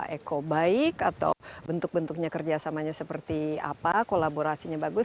eko baik atau bentuk bentuknya kerjasamanya seperti apa kolaborasinya bagus